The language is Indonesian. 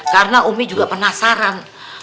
karena umi juga penasaran